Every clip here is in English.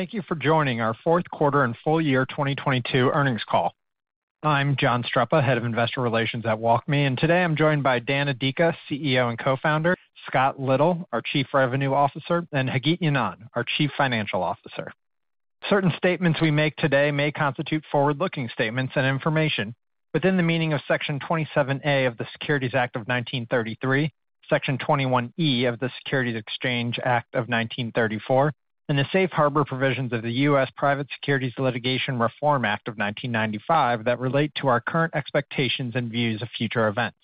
Thank you for joining our Q4 and Full Year 2022 Earnings Call. I'm John Streppa, Head of Investor Relations at WalkMe, and today I'm joined by Dan Adika, CEO and Co-Founder, Scott Little, our Chief Revenue Officer, and Hagit Ynon, our Chief Financial Officer. Certain statements we make today may constitute forward-looking statements and information within the meaning of Section 27A of the Securities Act of 1933, Section 21E of the Securities Exchange Act of 1934, and the safe harbor provisions of the U.S. Private Securities Litigation Reform Act of 1995 that relate to our current expectations and views of future events.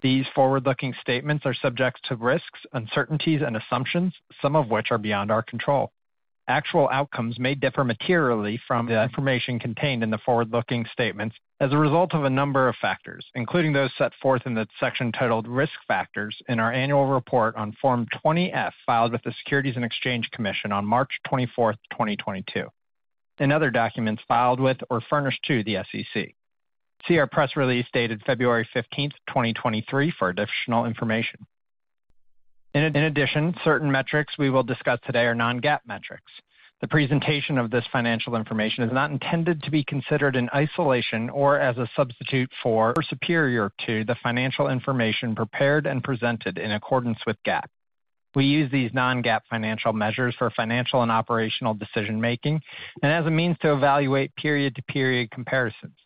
These forward-looking statements are subject to risks, uncertainties, and assumptions, some of which are beyond our control. Actual outcomes may differ materially from the information contained in the forward-looking statements as a result of a number of factors, including those set forth in the section titled Risk Factors in our annual report on Form 20-F filed with the Securities and Exchange Commission on March 24, 2022, and other documents filed with or furnished to the SEC. See our press release dated February 15, 2023 for additional information. In addition, certain metrics we will discuss today are non-GAAP metrics. The presentation of this financial information is not intended to be considered in isolation or as a substitute for or superior to the financial information prepared and presented in accordance with GAAP. We use these non-GAAP financial measures for financial and operational decision-making and as a means to evaluate period-to-period comparisons.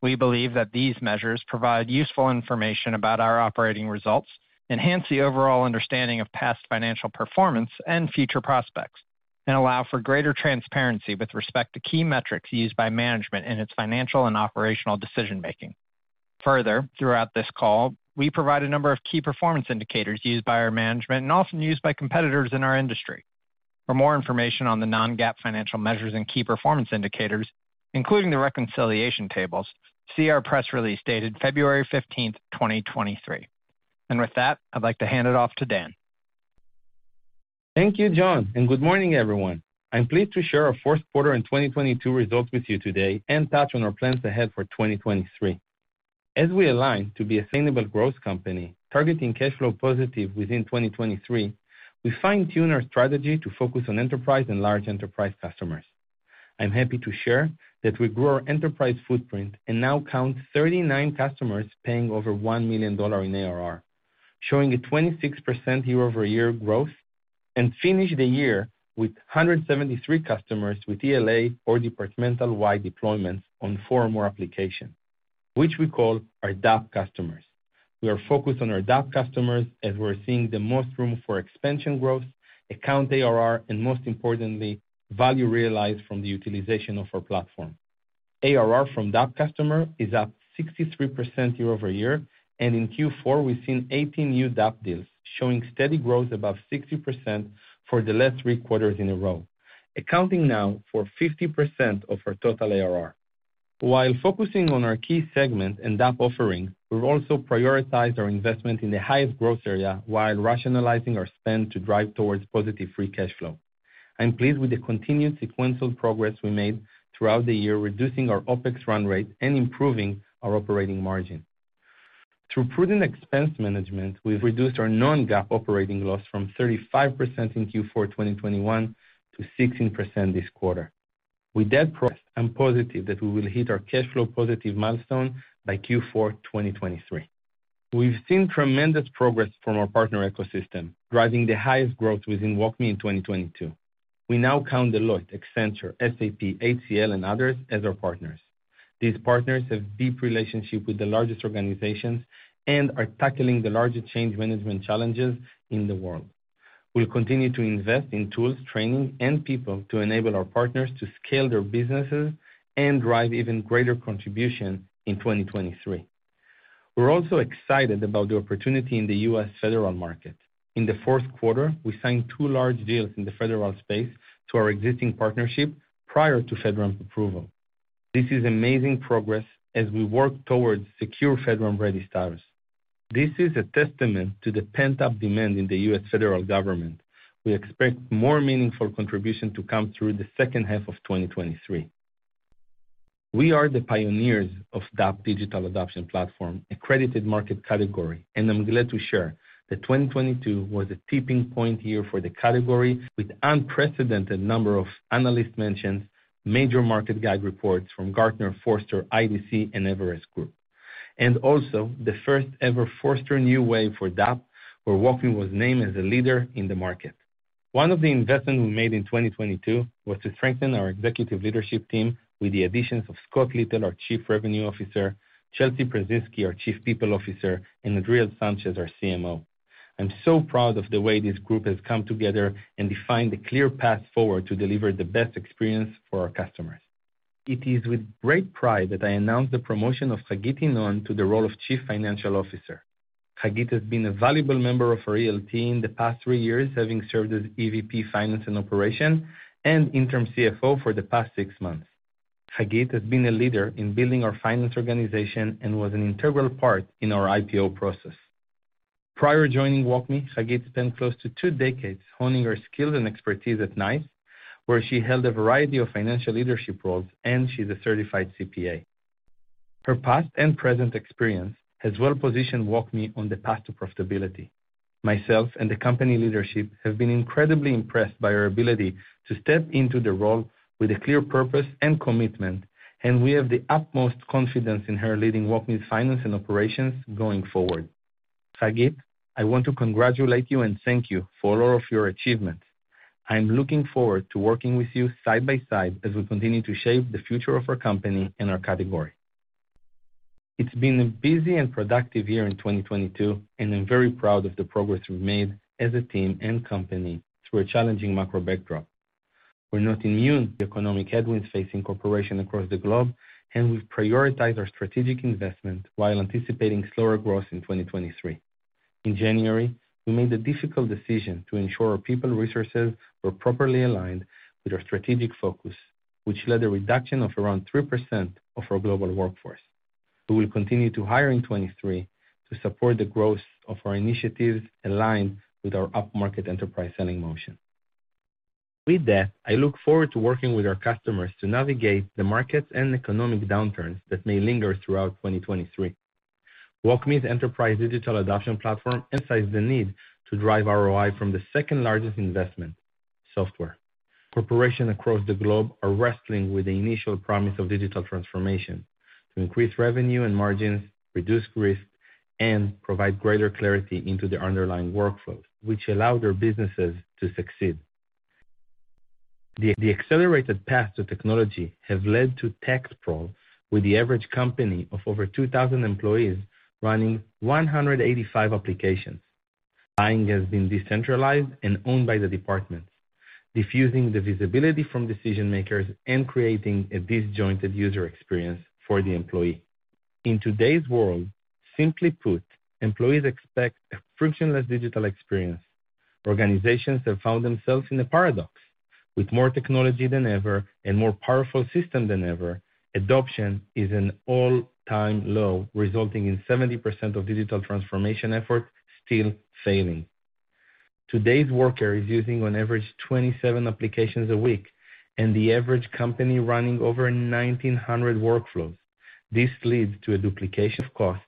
We believe that these measures provide useful information about our operating results, enhance the overall understanding of past financial performance and future prospects, and allow for greater transparency with respect to key metrics used by management in its financial and operational decision-making. Further, throughout this call, we provide a number of key performance indicators used by our management and often used by competitors in our industry. For more information on the non-GAAP financial measures and key performance indicators, including the reconciliation tables, see our press release dated February 15, 2023. With that, I'd like to hand it off to Dan. Thank you, John, and good morning, everyone. I'm pleased to share our Q4 in 2022 results with you today and touch on our plans ahead for 2023. As we align to be a sustainable growth company targeting cash flow positive within 2023, we fine-tune our strategy to focus on enterprise and large enterprise customers. I'm happy to share that we grew our enterprise footprint and now count 39 customers paying over $1 million in ARR, showing a 26% year-over-year growth, and finish the year with 173 customers with ELA or departmental-wide deployments on four or more applications, which we call our DAP customers. We are focused on our DAP customers as we're seeing the most room for expansion growth, account ARR, and most importantly, value realized from the utilization of our platform. ARR from DAP customer is up 63% year-over-year. In Q4, we've seen 18 new DAP deals, showing steady growth above 60% for the last three quarters in a row, accounting now for 50% of our total ARR. While focusing on our key segment and DAP offerings, we've also prioritized our investment in the highest growth area while rationalizing our spend to drive towards positive free cash flow. I'm pleased with the continued sequential progress we made throughout the year, reducing our OpEx run rate and improving our operating margin. Through prudent expense management, we've reduced our non-GAAP operating loss from 35% in Q4 2021 to 16% this quarter. With that progress, I'm positive that we will hit our cash flow positive milestone by Q4 2023. We've seen tremendous progress from our partner ecosystem, driving the highest growth within WalkMe in 2022. We now count Deloitte, Accenture, SAP, HCL, and others as our partners. These partners have deep relationships with the largest organizations and are tackling the largest change management challenges in the world. We'll continue to invest in tools, training, and people to enable our partners to scale their businesses and drive even greater contribution in 2023. We're also excited about the opportunity in the U.S. federal market. In the Q4, we signed two large deals in the federal space to our existing partnership prior to FedRAMP approval. This is amazing progress as we work towards secure FedRAMP ready status. This is a testament to the pent-up demand in the U.S. federal government. We expect more meaningful contribution to come through the H2 of 2023. We are the pioneers of DAP, Digital Adoption Platform, accredited market category. I'm glad to share that 2022 was a tipping point year for the category with unprecedented number of analysts mentions, major market guide reports from Gartner, Forrester, IDC and Everest Group. Also the first ever Forrester New Wave for DAP, where WalkMe was named as a leader in the market. One of the investments we made in 2022 was to strengthen our executive leadership team with the additions of Scott Little, our Chief Revenue Officer, Chelsea Pyrzenski, our Chief People Officer, and Adriel Sanchez, our CMO. I'm so proud of the way this group has come together and defined a clear path forward to deliver the best experience for our customers. It is with great pride that I announce the promotion of Hagit Ynon to the role of Chief Financial Officer. Hagit has been a valuable member of our ELT in the past three years, having served as EVP, Finance and Operation, and Interim CFO for the past six months. Hagit has been a leader in building our finance organization and was an integral part in our IPO process. Prior joining WalkMe, Hagit spent close to two decades honing her skills and expertise at NICE, where she held a variety of financial leadership roles, and she's a certified CPA. Her past and present experience has well-positioned WalkMe on the path to profitability. Myself and the company leadership have been incredibly impressed by her ability to step into the role with a clear purpose and commitment. We have the utmost confidence in her leading WalkMe's finance and operations going forward. Hagit, I want to congratulate you and thank you for all of your achievements. I'm looking forward to working with you side by side as we continue to shape the future of our company and our category. It's been a busy and productive year in 2022, and I'm very proud of the progress we've made as a team and company through a challenging macro backdrop. We're not immune to economic headwinds facing corporation across the globe, and we've prioritized our strategic investment while anticipating slower growth in 2023. In January, we made the difficult decision to ensure our people resources were properly aligned with our strategic focus, which led a reduction of around 3% of our global workforce. We will continue to hire in 2023 to support the growth of our initiatives aligned with our upmarket enterprise selling motion. With that, I look forward to working with our customers to navigate the markets and economic downturns that may linger throughout 2023. WalkMe's enterprise Digital Adoption Platform emphasizes the need to drive ROI from the second-largest investment, software. Corporations across the globe are wrestling with the initial promise of digital transformation to increase revenue and margins, reduce risk, and provide greater clarity into their underlying workflows, which allow their businesses to succeed. The accelerated path to technology have led to tech sprawl with the average company of over 2,000 employees running 185 applications. Buying has been decentralized and owned by the departments, diffusing the visibility from decision-makers and creating a disjointed user experience for the employee. In today's world, simply put, employees expect a frictionless digital experience. Organizations have found themselves in a paradox. With more technology than ever and more powerful system than ever, adoption is an all-time low, resulting in 70% of digital transformation efforts still failing. Today's worker is using on average 27 applications a week and the average company running over 1,900 workflows. This leads to a duplication of cost,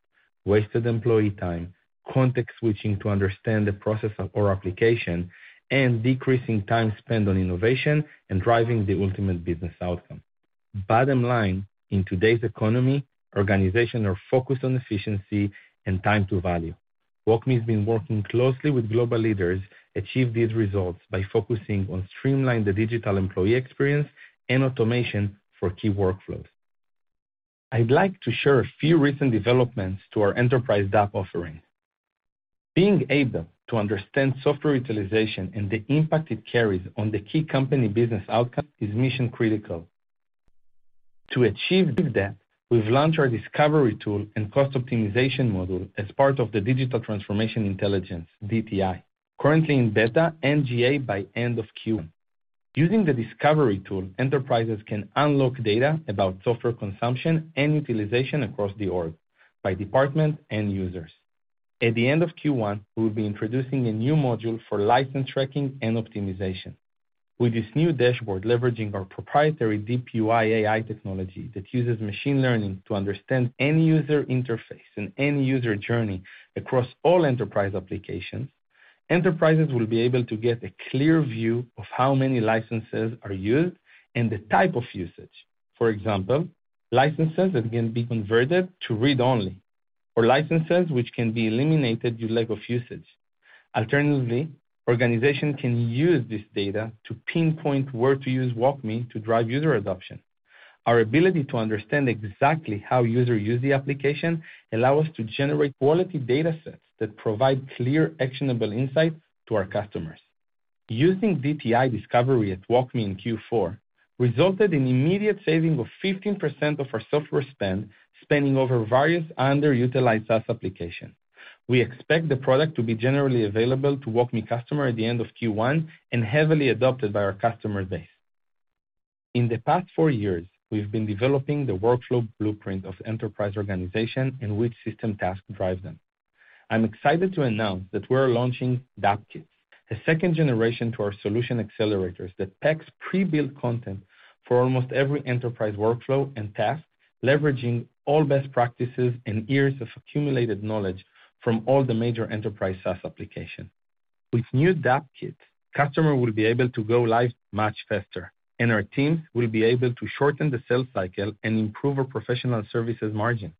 wasted employee time, context switching to understand the process or application, and decreasing time spent on innovation and driving the ultimate business outcome. Bottom line, in today's economy, organizations are focused on efficiency and time to value. WalkMe has been working closely with global leaders achieve these results by focusing on streamline the digital employee experience and automation for key workflows. I'd like to share a few recent developments to our enterprise DAP offering. Being able to understand software utilization and the impact it carries on the key company business outcome is mission-critical. To achieve that, we've launched our discovery tool and cost optimization model as part of the Digital Transformation Intelligence, DTI, currently in beta NGA by end of Q1. Using the discovery tool, enterprises can unlock data about software consumption and utilization across the org by department and users. At the end of Q1, we'll be introducing a new module for license tracking and optimization. With this new dashboard leveraging our proprietary Deep UI AI technology that uses machine learning to understand any user interface and any user journey across all enterprise applications, enterprises will be able to get a clear view of how many licenses are used and the type of usage. For example, licenses that can be converted to read-only or licenses which can be eliminated due lack of usage. Alternatively, organizations can use this data to pinpoint where to use WalkMe to drive user adoption. Our ability to understand exactly how user use the application allow us to generate quality datasets that provide clear, actionable insights to our customers. Using DTI Discovery at WalkMe in Q4 resulted in immediate saving of 15% of our software spend, spanning over various underutilized SaaS applications. We expect the product to be generally available to WalkMe customer at the end of Q1 and heavily adopted by our customer base. In the past four years, we've been developing the workflow blueprint of enterprise organization and which system task drive them. I'm excited to announce that we're launching DAP Kits, a second-generation to our solution accelerators that packs pre-built content for almost every enterprise workflow and task, leveraging all best practices and years of accumulated knowledge from all the major enterprise SaaS application. With new DAP Kit, customer will be able to go live much faster, our teams will be able to shorten the sales cycle and improve our professional services margin.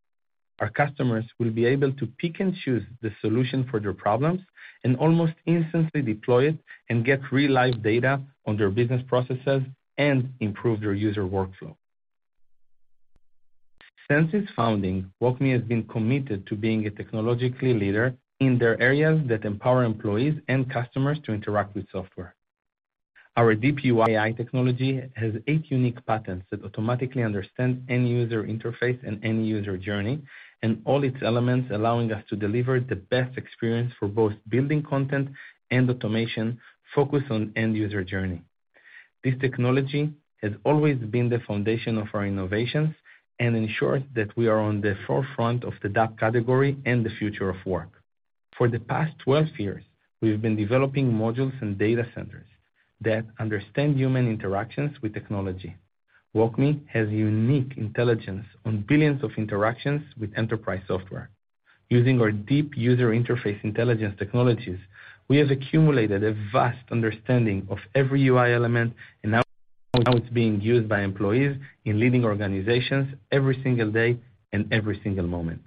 Our customers will be able to pick and choose the solution for their problems and almost instantly deploy it and get real live data on their business processes and improve their user workflow. Since its founding, WalkMe has been committed to being a technologically leader in their areas that empower employees and customers to interact with software. Our DeepUI technology has eight unique patents that automatically understand any user interface and any user journey and all its elements, allowing us to deliver the best experience for both building content and automation focused on end-user journey. This technology has always been the foundation of our innovations and ensures that we are on the forefront of the DAP category and the future of work. For the past 12 years, we've been developing modules and data centers that understand human interactions with technology. WalkMe has unique intelligence on billions of interactions with enterprise software. Using our deep user interface intelligence technologies, we have accumulated a vast understanding of every UI element and how it's being used by employees in leading organizations every single day and every single moment.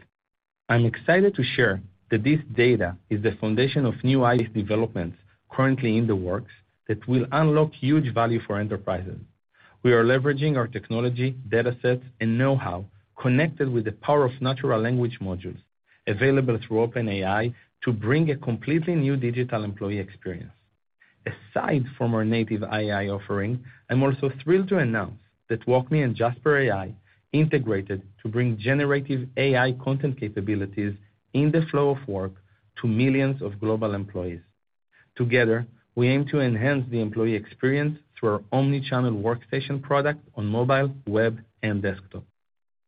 I'm excited to share that this data is the foundation of new AI developments currently in the works that will unlock huge value for enterprises. We are leveraging our technology, datasets, and know-how connected with the power of natural language modules available through OpenAI to bring a completely new digital employee experience. Aside from our native AI offering, I'm also thrilled to announce that WalkMe and Jasper AI integrated to bring generative AI content capabilities in the flow of work to millions of global employees. Together, we aim to enhance the employee experience through our omni-channel Workstation product on mobile, web, and desktop.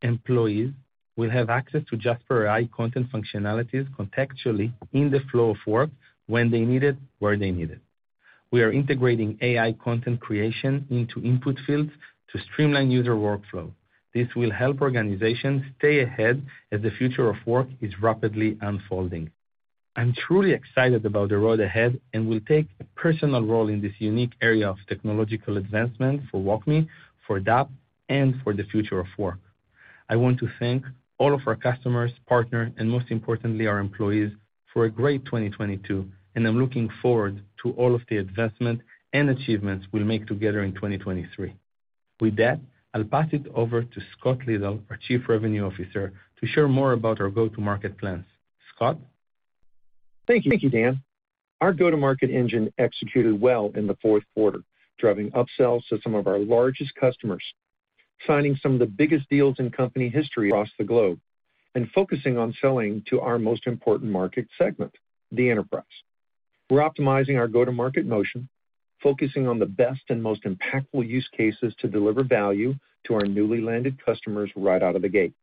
Employees will have access to Jasper AI content functionalities contextually in the flow of work when they need it, where they need it. We are integrating AI content creation into input fields to streamline user workflow. This will help organizations stay ahead as the future of work is rapidly unfolding. I'm truly excited about the road ahead and will take a personal role in this unique area of technological advancement for WalkMe, for DAP, and for the future of work. I want to thank all of our customers, partners, and most importantly, our employees for a great 2022, and I'm looking forward to all of the advancements and achievements we'll make together in 2023. With that, I'll pass it over to Scott Little, our Chief Revenue Officer, to share more about our go-to-market plans. Scott? Thank you, Dan. Our go-to-market engine executed well in the Q4, driving upsells to some of our largest customers, signing some of the biggest deals in company history across the globe, and focusing on selling to our most important market segment, the enterprise. We're optimizing our go-to-market motion, focusing on the best and most impactful use cases to deliver value to our newly landed customers right out of the gate.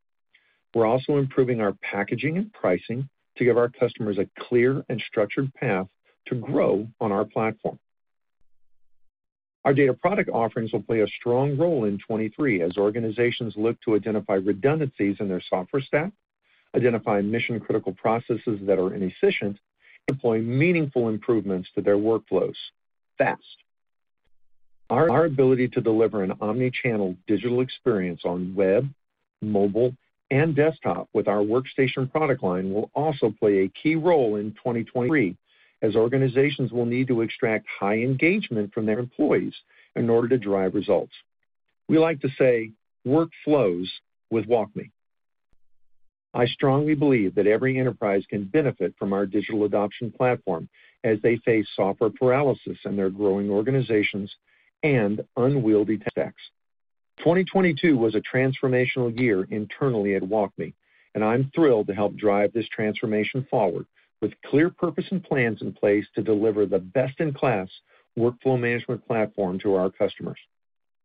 We're also improving our packaging and pricing to give our customers a clear and structured path to grow on our platform. Our data product offerings will play a strong role in 2023 as organizations look to identify redundancies in their software stack, identify mission-critical processes that are inefficient, and employ meaningful improvements to their workflows fast. Our ability to deliver an omni-channel digital experience on web, mobile, and desktop with our Workstation product line will also play a key role in 2023, as organizations will need to extract high engagement from their employees in order to drive results. We like to say, "Work flows with WalkMe." I strongly believe that every enterprise can benefit from our Digital Adoption Platform as they face software paralysis in their growing organizations and unwieldy tech stacks. 2022 was a transformational year internally at WalkMe, and I'm thrilled to help drive this transformation forward with clear purpose and plans in place to deliver the best-in-class workflow management platform to our customers.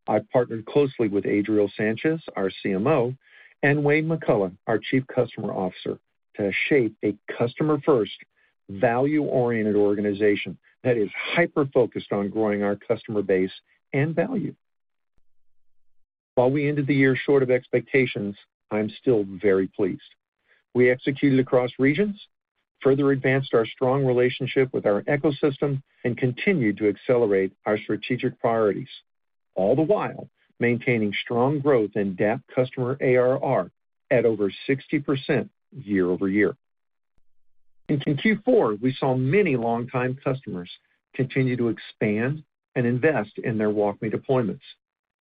I partnered closely with Adriel Sanchez, our CMO, and Wayne McCulloch, our Chief Customer Officer, to shape a customer-first, value-oriented organization that is hyper-focused on growing our customer base and value. While we ended the year short of expectations, I'm still very pleased. We executed across regions, further advanced our strong relationship with our ecosystem, and continued to accelerate our strategic priorities, all the while maintaining strong growth in DAP customer ARR at over 60% year-over-year. In Q4, we saw many longtime customers continue to expand and invest in their WalkMe deployments,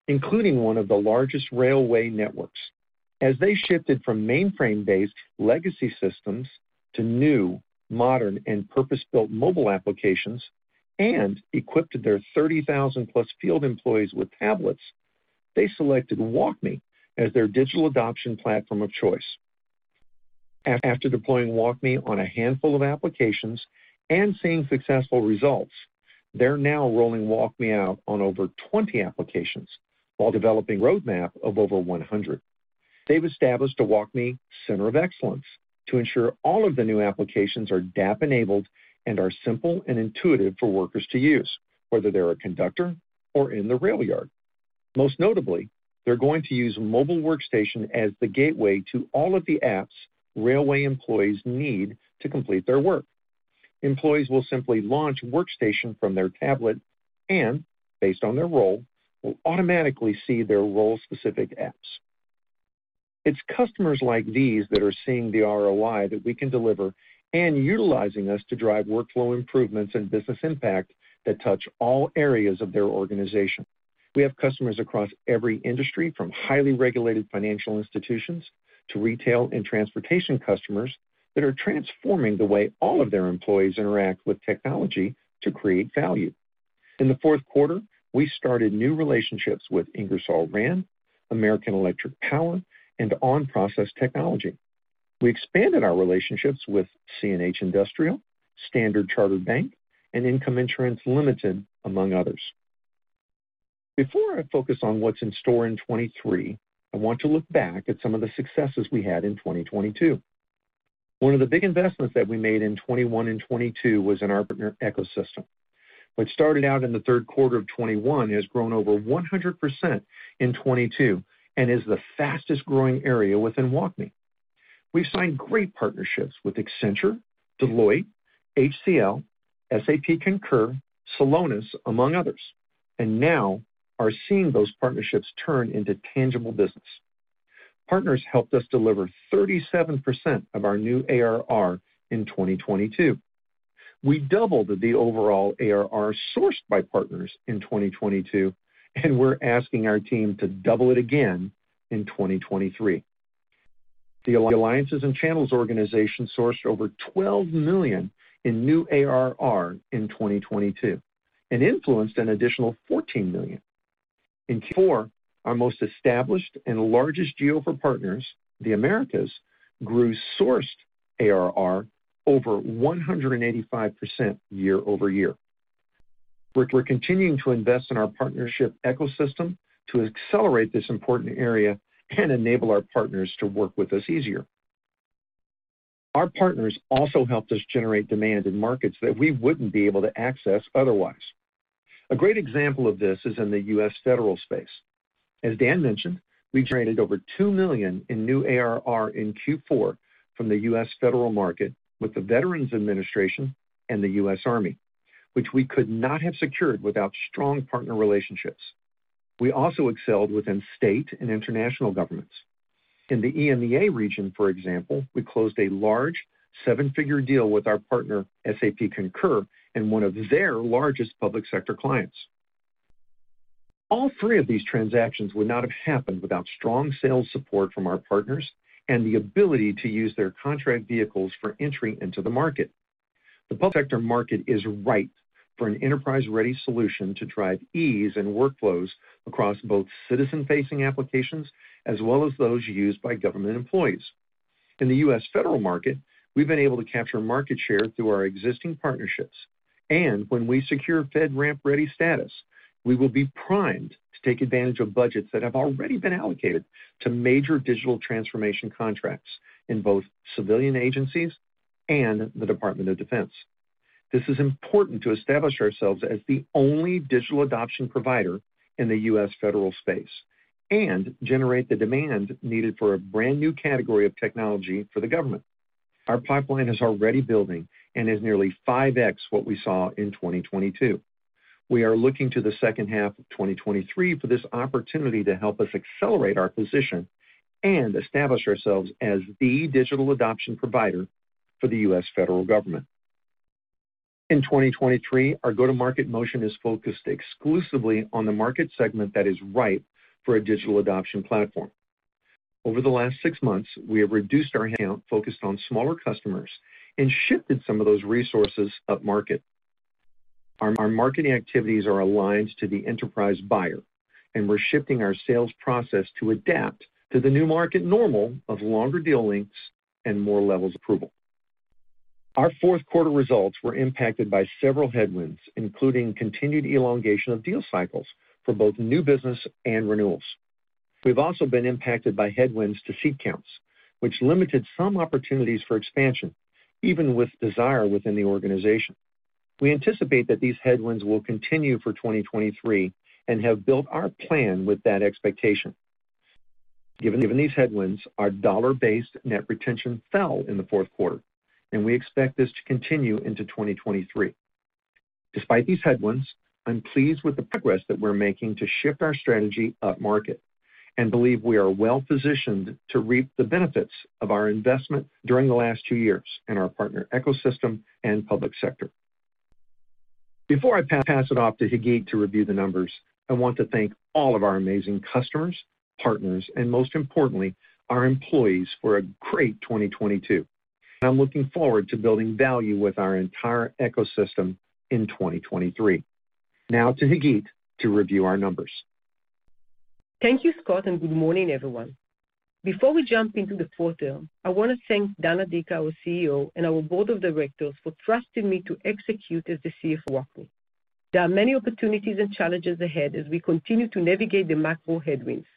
including one of the largest railway networks. As they shifted from mainframe-based legacy systems to new, modern, and purpose-built mobile applications, and equipped their 30,000-plus field employees with tablets, they selected WalkMe as their digital adoption platform of choice. After deploying WalkMe on a handful of applications and seeing successful results, they're now rolling WalkMe out on over 20 applications while developing a roadmap of over 100. They've established a WalkMe center of excellence to ensure all of the new applications are DAP-enabled and are simple and intuitive for workers to use, whether they're a conductor or in the rail yard. Most notably, they're going to use mobile Workstation as the gateway to all of the apps railway employees need to complete their work. Employees will simply launch Workstation from their tablet and, based on their role, will automatically see their role-specific apps. It's customers like these that are seeing the ROI that we can deliver and utilizing us to drive workflow improvements and business impact that touch all areas of their organization. We have customers across every industry, from highly regulated financial institutions to retail and transportation customers, that are transforming the way all of their employees interact with technology to create value. In the Q4, we started new relationships with Ingersoll Rand, American Electric Power, and OnProcess Technology. We expanded our relationships with CNH Industrial, Standard Chartered Bank, and Income Insurance Limited, among others. Before I focus on what's in store in 2023, I want to look back at some of the successes we had in 2022. One of the big investments that we made in 2021 and 2022 was in our partner ecosystem. What started out in the Q3 of 2021 has grown over 100% in 2022 and is the fastest growing area within WalkMe. We've signed great partnerships with Accenture, Deloitte, HCL, SAP Concur, Celonis, among others, and now are seeing those partnerships turn into tangible business. Partners helped us deliver 37% of our new ARR in 2022. We doubled the overall ARR sourced by partners in 2022, and we're asking our team to double it again in 2023. The Alliances and Channels organization sourced over $12 million in new ARR in 2022 and influenced an additional $14 million. In Q4, our most established and largest geo for partners, the Americas, grew sourced ARR over 185% year-over-year. We're continuing to invest in our partnership ecosystem to accelerate this important area and enable our partners to work with us easier. Our partners also helped us generate demand in markets that we wouldn't be able to access otherwise. A great example of this is in the U.S. federal space. As Dan mentioned, we generated over $2 million in new ARR in Q4 from the U.S. federal market with the Veterans Administration and the U.S. Army, which we could not have secured without strong partner relationships. We also excelled within state and international governments. In the EMEA region, for example, we closed a large seven-figure deal with our partner, SAP Concur, and one of their largest public sector clients. All three of these transactions would not have happened without strong sales support from our partners and the ability to use their contract vehicles for entry into the market. The public sector market is ripe for an enterprise-ready solution to drive ease and workflows across both citizen-facing applications as well as those used by government employees. In the U.S. federal market, we've been able to capture market share through our existing partnerships, and when we secure FedRAMP ready status, we will be primed to take advantage of budgets that have already been allocated to major digital transformation contracts in both civilian agencies and the Department of Defense. This is important to establish ourselves as the only digital adoption provider in the U.S. federal space and generate the demand needed for a brand-new category of technology for the government. Our pipeline is already building and is nearly 5x what we saw in 2022. We are looking to the H2 of 2023 for this opportunity to help us accelerate our position and establish ourselves as the digital adoption provider for the U.S. federal government. In 2023, our go-to-market motion is focused exclusively on the market segment that is ripe for a Digital Adoption Platform. Over the last six months, we have reduced our account, focused on smaller customers, and shifted some of those resources upmarket. Our marketing activities are aligned to the enterprise buyer, and we're shifting our sales process to adapt to the new market normal of longer deal lengths and more levels of approval. Our Q4 results were impacted by several headwinds, including continued elongation of deal cycles for both new business and renewals. We've also been impacted by headwinds to seat counts, which limited some opportunities for expansion, even with desire within the organization. We anticipate that these headwinds will continue for 2023 and have built our plan with that expectation. Given these headwinds, our dollar-based net retention fell in the Q4, and we expect this to continue into 2023. Despite these headwinds, I'm pleased with the progress that we're making to shift our strategy upmarket and believe we are well-positioned to reap the benefits of our investment during the last two years in our partner ecosystem and public sector. Before I pass it off to Hagit to review the numbers, I want to thank all of our amazing customers, partners, and most importantly, our employees for a great 2022. I'm looking forward to building value with our entire ecosystem in 2023. To Hagit to review our numbers. Thank you, Scott, and good morning, everyone. Before we jump into the quarter, I want to thank Dan Adika, our CEO, and our board of directors for trusting me to execute as the CFO of WalkMe. There are many opportunities and challenges ahead as we continue to navigate the macro headwinds.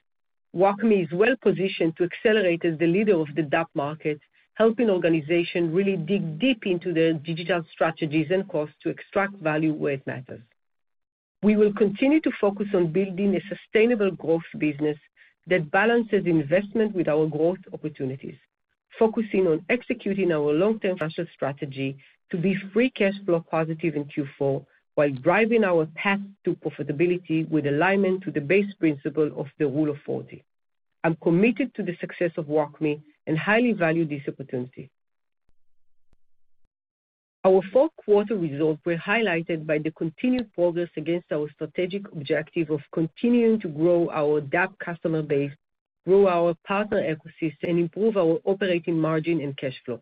WalkMe is well-positioned to accelerate as the leader of the DAP market, helping organizations really dig deep into their digital strategies and costs to extract value where it matters. We will continue to focus on building a sustainable growth business that balances investment with our growth opportunities, focusing on executing our long-term financial strategy to be free cash flow positive in Q4 while driving our path to profitability with alignment to the base principle of the rule of 40. I'm committed to the success of WalkMe and highly value this opportunity. Our Q4 results were highlighted by the continued progress against our strategic objective of continuing to grow our DAP customer base, grow our partner ecosystem, and improve our operating margin and cash flow.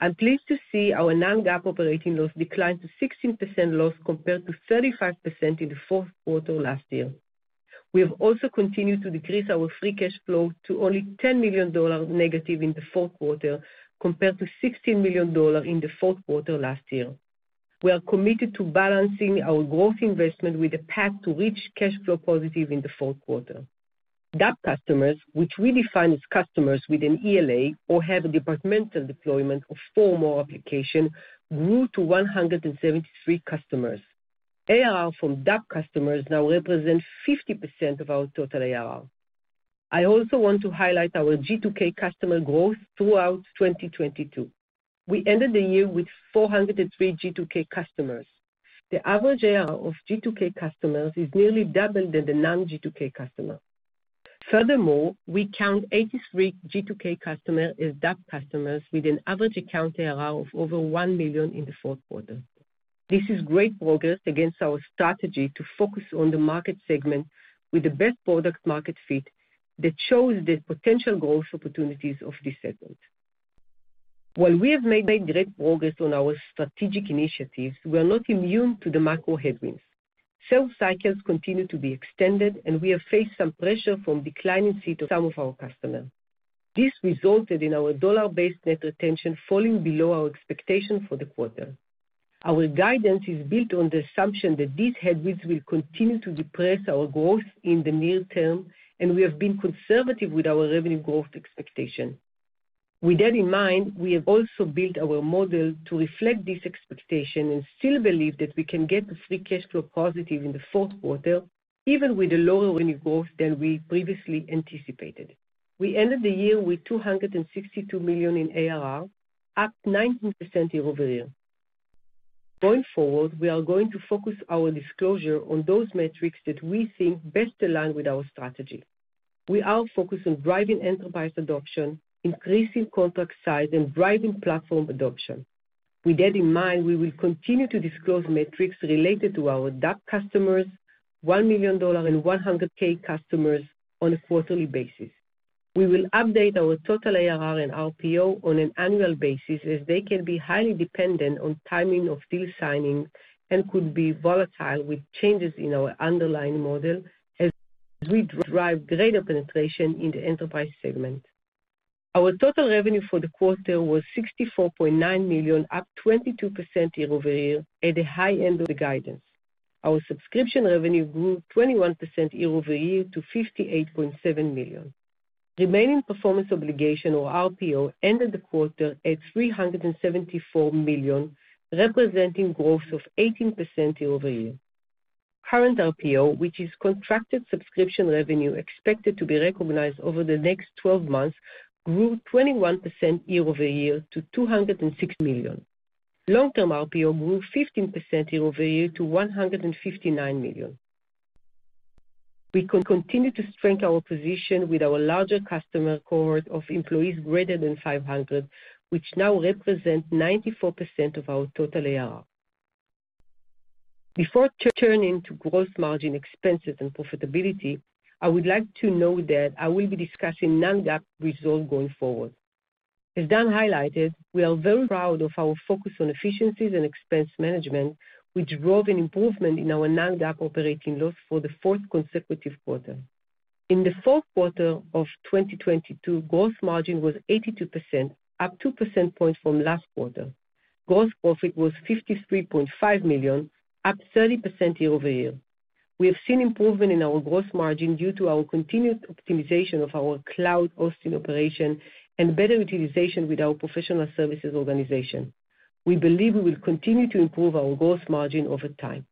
I'm pleased to see our non-GAAP operating loss decline to 16% loss compared to 35% in the Q4 last year. We have also continued to decrease our free cash flow to only $10 million negative in the Q4, compared to $16 million in the Q4 last year. We are committed to balancing our growth investment with a path to reach cash flow positive in the Q4. DAP customers, which we define as customers with an ELA or have a departmental deployment of 4 more application, grew to 173 customers. ARR from DAP customers now represent 50% of our total ARR. I also want to highlight our G2K customer growth throughout 2022. We ended the year with 403 G2K customers. The average ARR of G2K customers is nearly double than the non-G2K customer. We count 83 G2K customer as DAP customers with an average account ARR of over $1 million in the Q4. This is great progress against our strategy to focus on the market segment with the best product market fit that shows the potential growth opportunities of this segment. While we have made great progress on our strategic initiatives, we are not immune to the macro headwinds. Sales cycles continue to be extended, we have faced some pressure from declining seat of some of our customers. This resulted in our dollar-based net retention falling below our expectation for the quarter. Our guidance is built on the assumption that these headwinds will continue to depress our growth in the near term, and we have been conservative with our revenue growth expectation. With that in mind, we have also built our model to reflect this expectation and still believe that we can get the free cash flow positive in the Q4, even with a lower revenue growth than we previously anticipated. We ended the year with $262 million in ARR, up 19% year-over-year. Going forward, we are going to focus our disclosure on those metrics that we think best align with our strategy. We are focused on driving enterprise adoption, increasing contract size, and driving platform adoption. With that in mind, we will continue to disclose metrics related to our DAP customers, $1 million and $100K customers on a quarterly basis. We will update our total ARR and RPO on an annual basis, as they can be highly dependent on timing of deal signing and could be volatile with changes in our underlying model as we drive greater penetration in the enterprise segment. Our total revenue for the quarter was $64.9 million, up 22% year-over-year at the high end of the guidance. Our subscription revenue grew 21% year-over-year to $58.7 million. Remaining performance obligation or RPO ended the quarter at $374 million, representing growth of 18% year-over-year. Current RPO, which is contracted subscription revenue expected to be recognized over the next 12 months, grew 21% year-over-year to $206 million. Long-term RPO grew 15% year-over-year to $159 million. We continue to strengthen our position with our larger customer cohort of employees greater than 500, which now represent 94% of our total ARR. Before turning to gross margin expenses and profitability, I would like to note that I will be discussing non-GAAP results going forward. As Dan highlighted, we are very proud of our focus on efficiencies and expense management, which drove an improvement in our non-GAAP operating loss for the 4th consecutive quarter. In the Q4 of 2022, gross margin was 82%, up two percent points from last quarter. Gross profit was $53.5 million, up 30% year-over-year. We have seen improvement in our gross margin due to our continued optimization of our cloud hosting operation and better utilization with our professional services organization. We believe we will continue to improve our gross margin over time.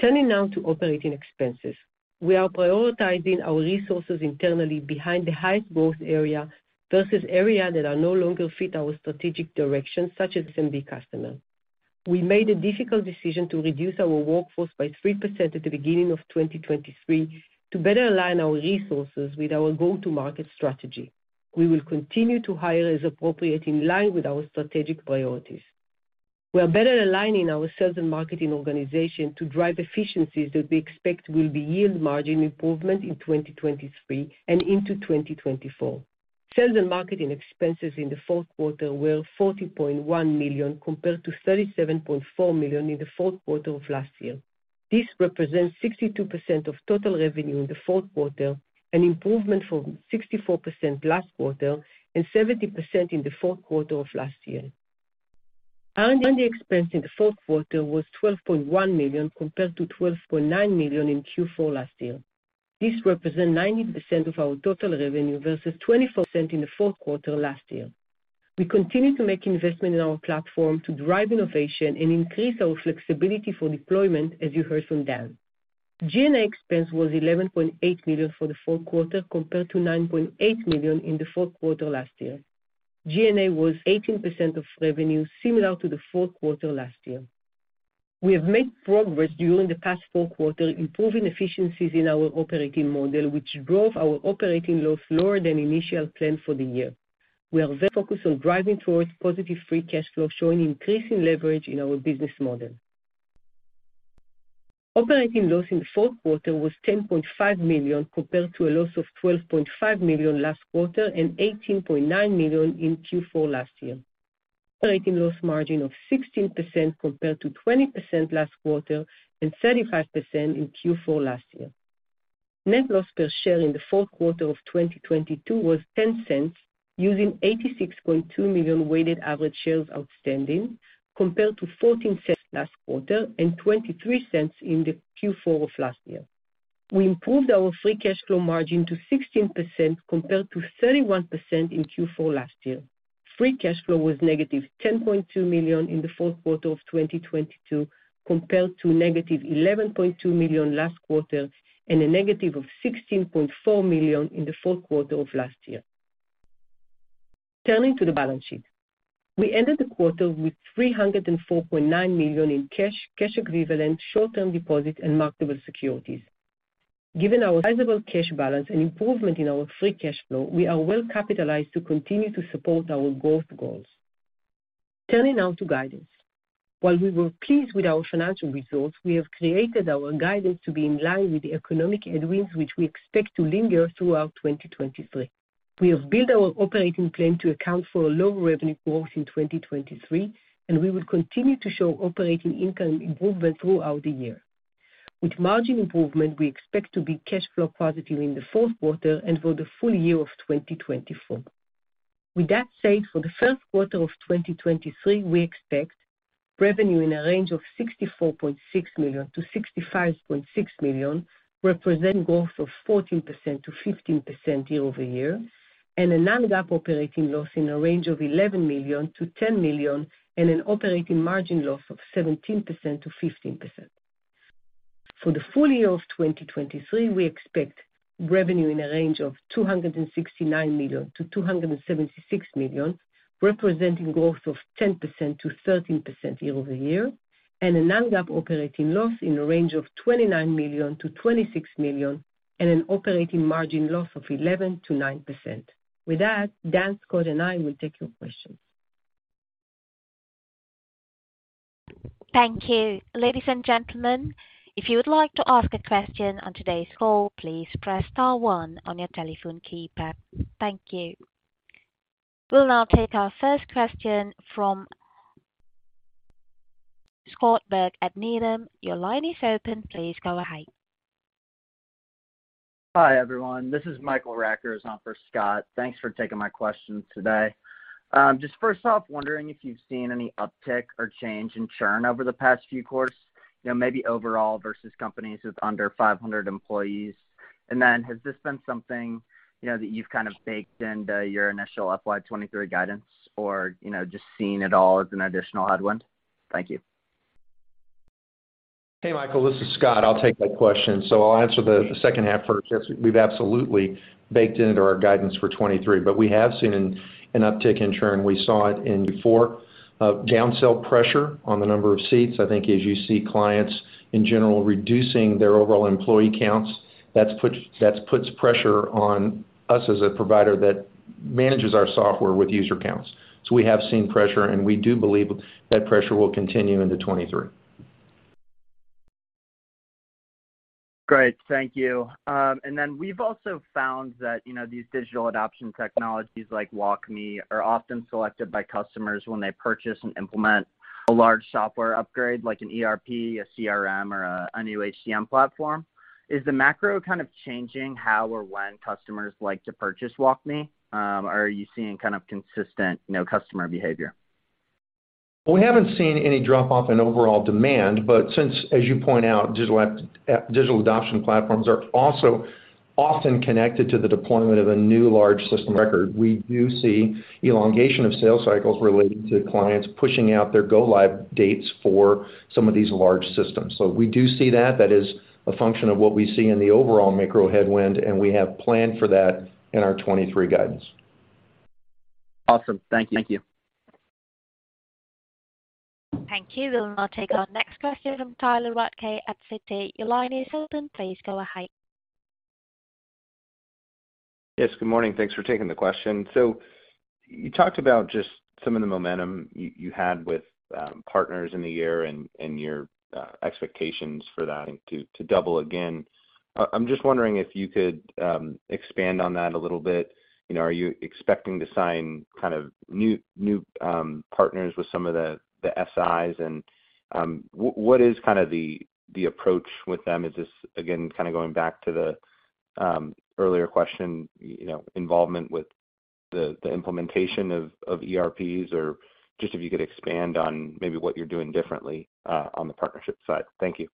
Turning now to operating expenses. We are prioritizing our resources internally behind the highest growth area versus area that are no longer fit our strategic direction, such as SMB customer. We made a difficult decision to reduce our workforce by 3% at the beginning of 2023 to better align our resources with our go-to-market strategy. We will continue to hire as appropriate in line with our strategic priorities. We are better aligning our sales and marketing organization to drive efficiencies that we expect will be yield margin improvement in 2023 and into 2024. Sales and marketing expenses in the Q4 were $40.1 million compared to $37.4 million in the Q4 of last year. This represents 62% of total revenue in the Q4, an improvement from 64% last quarter and 70% in the Q4 of last year. R&D expense in the Q4 was $12.1 million compared to $12.9 million in Q4 last year. This represent 19% of our total revenue versus 24% in the Q4 last year. We continue to make investment in our platform to drive innovation and increase our flexibility for deployment, as you heard from Dan. G&A expense was $11.8 million for the Q4 compared to $9.8 million in the Q4 last year. G&A was 18% of revenue, similar to the Q4 last year. We have made progress during the past Q4, improving efficiencies in our operating model, which drove our operating loss lower than initial plan for the year. We are very focused on driving towards positive free cash flow, showing increasing leverage in our business model. Operating loss in the Q4 was $10.5 million, compared to a loss of $12.5 million last quarter and $18.9 million in Q4 last year. Operating loss margin of 16% compared to 20% last quarter and 35% in Q4 last year. Net loss per share in the Q4 of 2022 was $0.10 using 86.2 million weighted average shares outstanding, compared to $0.14 last quarter and $0.23 in the Q4 of last year. We improved our free cash flow margin to 16% compared to 31% in Q4 last year. Free cash flow was -$10.2 million in the Q4 of 2022, compared to -$11.2 million last quarter and -$16.4 million in the Q4 of last year. Turning to the balance sheet. We ended the quarter with $304.9 million in cash equivalents, short-term deposits and marketable securities. Given our sizable cash balance and improvement in our free cash flow, we are well capitalized to continue to support our growth goals. Turning now to guidance. While we were pleased with our financial results, we have created our guidance to be in line with the economic headwinds which we expect to linger throughout 2023. We have built our operating plan to account for lower revenue growth in 2023, and we will continue to show operating income improvement throughout the year. With margin improvement, we expect to be cash flow positive in the Q4 and for the full year of 2024. With that said, for the Q1 of 2023, we expect revenue in a range of $64.6 million-$65.6 million, representing growth of 14%-15% year over year, and a non-GAAP operating loss in a range of $11 million-$10 million and an operating margin loss of 17%-15%. For the full year of 2023, we expect revenue in a range of $269 million-$276 million, representing growth of 10%-13% year over year, and a non-GAAP operating loss in the range of $29 million-$26 million and an operating margin loss of 11%-9%. With that, Dan, Scott, and I will take your questions. Thank you. Ladies and gentlemen, if you would like to ask a question on today's call, please press star one on your telephone keypad. Thank you. We'll now take our first question from Scott Berg at Needham. Your line is open. Please go ahead. Hi, everyone. This is Michael Rackers on for Scott. Thanks for taking my question today. Just first off, wondering if you've seen any uptick or change in churn over the past few quarters, you know, maybe overall versus companies with under 500 employees. Then has this been something, you know, that you've kind of baked into your initial FY 2023 guidance or, you know, just seeing it all as an additional headwind? Thank you. Hey, Michael, this is Scott. I'll take that question. I'll answer the H2 first. Yes, we've absolutely baked into our guidance for 2023. We have seen an uptick in churn. We saw it in Q4, down sell pressure on the number of seats. I think as you see clients in general reducing their overall employee counts, that puts pressure on us as a provider that manages our software with user counts. We have seen pressure, and we do believe that pressure will continue into 2023. Great. Thank you. And then we've also found that, you know, these digital adoption technologies like WalkMe are often selected by customers when they purchase and implement a large software upgrade like an ERP, a CRM, or a new HCM platform. Is the macro kind of changing how or when customers like to purchase WalkMe? Are you seeing kind of consistent, you know, customer behavior? Since, as you point out, Digital Adoption Platforms are also often connected to the deployment of a new large system record. We do see elongation of sales cycles related to clients pushing out their go live dates for some of these large systems. We do see that. That is a function of what we see in the overall macro headwind, and we have planned for that in our 2023 guidance. Awesome. Thank you. Thank you. We'll now take our next question from Tyler Radke at Citi. Your line is open. Please go ahead. Yes, good morning. Thanks for taking the question. You talked about just some of the momentum you had with partners in the year and your expectations for that and to double again. I'm just wondering if you could expand on that a little bit. You know, are you expecting to sign kind of new partners with some of the SIs? What is kinda the approach with them? Is this again, kinda going back to the earlier question, you know, involvement with the implementation of ERPs or just if you could expand on maybe what you're doing differently on the partnership side. Thank you.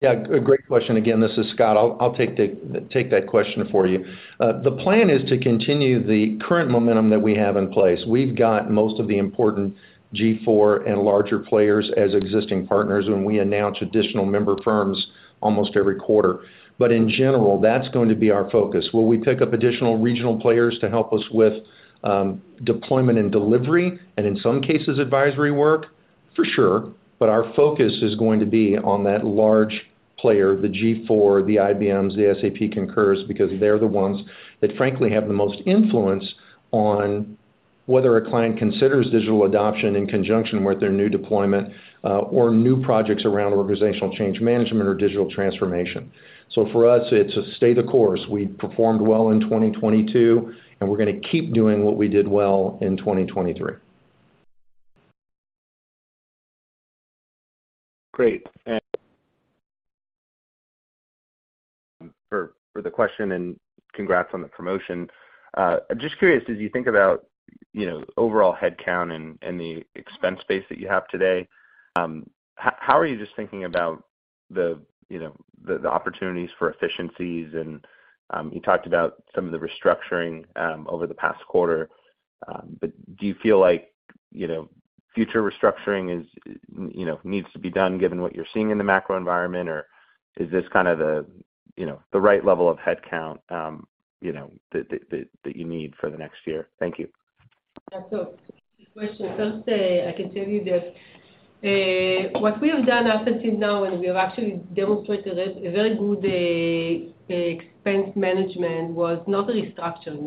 Yeah, great question. Again, this is Scott. I'll take that question for you. The plan is to continue the current momentum that we have in place. We've got most of the important G4 and larger players as existing partners, and we announce additional member firms almost every quarter. In general, that's going to be our focus. Will we pick up additional regional players to help us with deployment and delivery, and in some cases advisory work? For sure, but our focus is going to be on that large player, the G4, the IBMs, the SAP Concurs, because they're the ones that frankly have the most influence on whether a client considers digital adoption in conjunction with their new deployment or new projects around organizational change management or digital transformation. For us, it's a stay the course. We performed well in 2022, and we're gonna keep doing what we did well in 2023. Great. For the question. Congrats on the promotion. Just curious, as you think about, you know, overall headcount and the expense base that you have today, how are you just thinking about the, you know, the opportunities for efficiencies and you talked about some of the restructuring over the past quarter, do you feel like, you know, future restructuring is, you know, needs to be done given what you're seeing in the macro environment, or is this kind of the, you know, the right level of headcount, you know, that you need for the next year? Thank you. Yeah. Good question. First, I can tell you that what we have done up until now, and we have actually demonstrated a very good expense management was not a restructuring.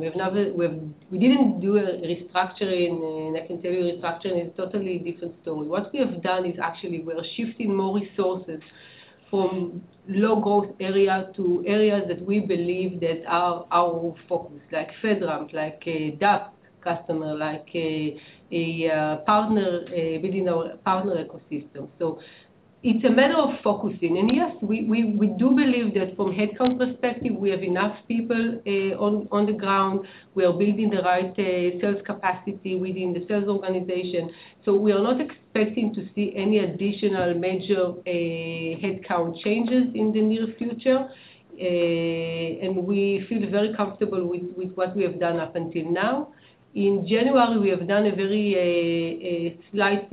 We didn't do a restructuring. I can tell you restructuring is totally different story. What we have done is actually we're shifting more resources from low growth area to areas that we believe that are our focus, like FedRAMP, like DAP customer, like a partner within our partner ecosystem. It's a matter of focusing. Yes, we, we do believe that from headcount perspective, we have enough people on the ground. We are building the right sales capacity within the sales organization. We are not expecting to see any additional major headcount changes in the near future, and we feel very comfortable with what we have done up until now. In January, we have done a very slight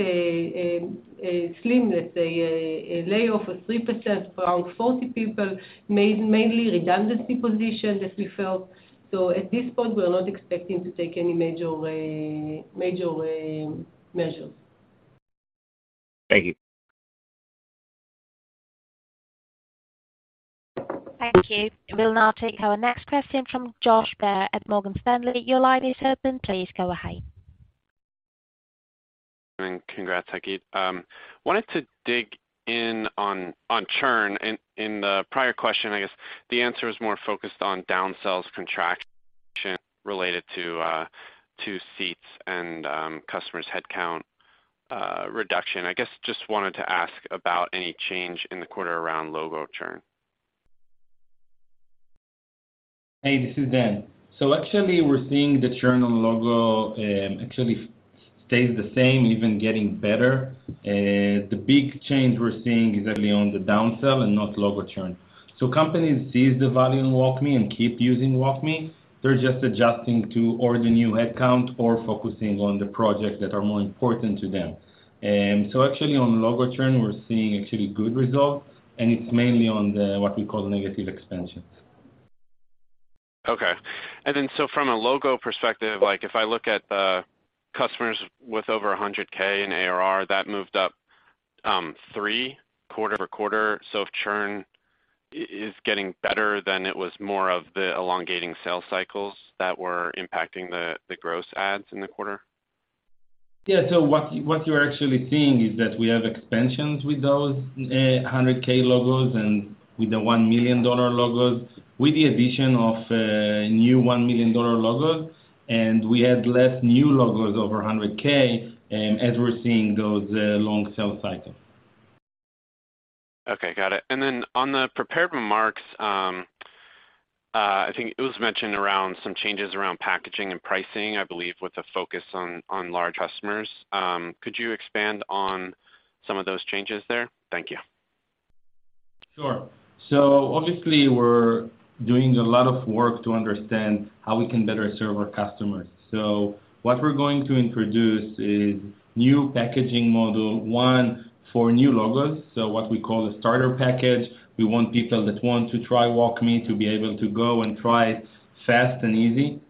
slim, let's say, layoff of 3%, around 40 people, mainly redundancy position that we felt. At this point, we're not expecting to take any major measures. Thank you. Thank you. We'll now take our next question from Josh Baer at Morgan Stanley. Your line is open. Please go ahead. Congrats, Hagit. Wanted to dig in on churn. In the prior question, I guess the answer is more focused on down sales contraction related to seats and customers' headcount reduction. I guess just wanted to ask about any change in the quarter around logo churn. Hey, this is Dan. Actually we're seeing the churn on logo, actually stays the same, even getting better. The big change we're seeing is actually on the down sell and not logo churn. Companies sees the value in WalkMe and keep using WalkMe. They're just adjusting to or the new headcount or focusing on the projects that are more important to them. Actually on logo churn, we're seeing actually good results, and it's mainly on what we call negative expansions. Okay. From a logo perspective, like if I look at the customers with over 100K in ARR, that moved up three quarter-over-quarter. If churn is getting better, then it was more of the elongating sales cycles that were impacting the gross adds in the quarter? Yeah. What you're actually seeing is that we have expansions with those 100K logos and with the $1 million logos, with the addition of new $1 million logos, and we had less new logos over 100K, as we're seeing those long sales cycles. Okay, got it. On the prepared remarks, I think it was mentioned around some changes around packaging and pricing, I believe with a focus on large customers. Could you expand on some of those changes there? Thank you. Sure. Obviously, we're doing a lot of work to understand how we can better serve our customers. What we're going to introduce is new packaging model, one for new logos. What we call the starter package. We want people that want to try WalkMe to be able to go and try it fast and easy.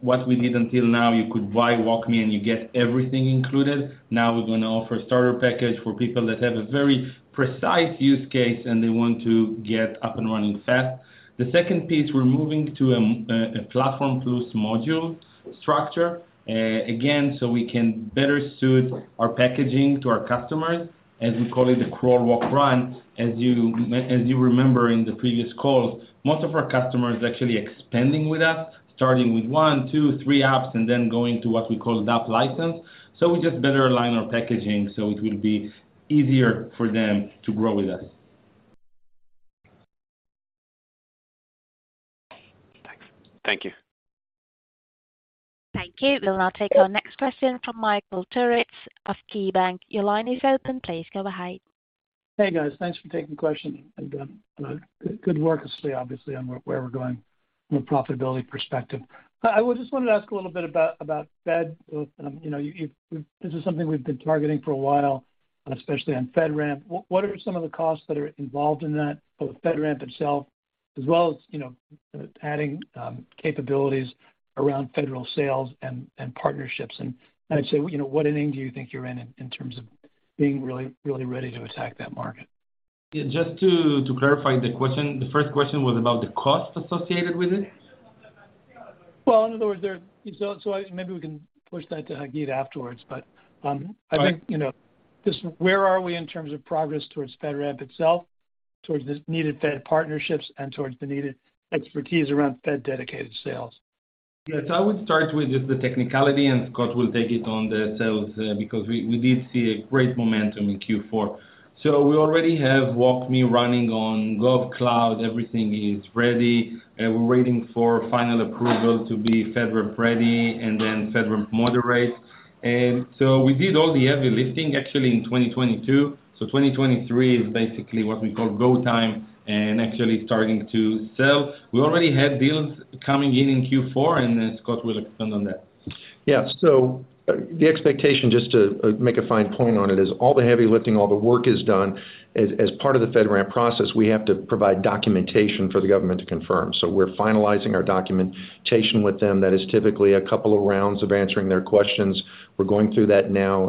What we did until now, you could buy WalkMe, and you get everything included. Now we're gonna offer starter package for people that have a very precise use case, and they want to get up and running fast. The second piece, we're moving to a platform plus module structure, again, so we can better suit our packaging to our customers, as we call it, the crawl, walk, run. As you remember in the previous calls, most of our customers actually expanding with us, starting with one, two, three apps and then going to what we call DAP license. We just better align our packaging, so it will be easier for them to grow with us. Okay. Thanks. Thank you. Thank you. We'll now take our next question from Michael Turits of KeyBanc. Your line is open. Please go ahead. Hey, guys. Thanks for taking the question. good work, obviously, on where we're going from a profitability perspective. I just wanted to ask a little bit about Fed. You know, This is something we've been targeting for a while, especially on FedRAMP. What, what are some of the costs that are involved in that, both FedRAMP itself, as well as, you know, adding capabilities around federal sales and partnerships? I'd say, you know, what inning do you think you're in terms of being really ready to attack that market? Yeah, just to clarify the question. The first question was about the cost associated with it? In other words, maybe we can push that to Hagit afterwards. All right. I think, you know, just where are we in terms of progress towards FedRAMP itself, towards the needed Fed partnerships and towards the needed expertise around Fed-dedicated sales? I would start with just the technicality. Scott will take it on the sales because we did see a great momentum in Q4. We already have WalkMe running on GovCloud. Everything is ready. We're waiting for final approval to be FedRAMP Ready and then FedRAMP Moderate. We did all the heavy lifting actually in 2022. 2023 is basically what we call go time and actually starting to sell. We already have deals coming in in Q4. Scott will expand on that. Yeah. The expectation, just to make a fine point on it, is all the heavy lifting, all the work is done. As part of the FedRAMP process, we have to provide documentation for the government to confirm. We're finalizing our documentation with them. That is typically a couple of rounds of answering their questions. We're going through that now,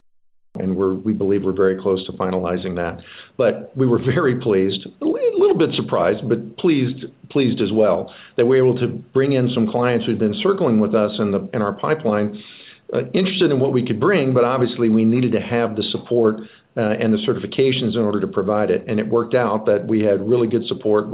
and we believe we're very close to finalizing that. We were very pleased, a little bit surprised, but pleased as well, that we're able to bring in some clients who've been circling with us in the, in our pipeline, interested in what we could bring, but obviously we needed to have the support and the certifications in order to provide it. It worked out that we had really good support